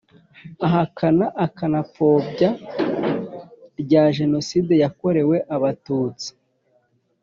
Ahakana akanapfobya rya Jenoside yakorewe Abatutsi.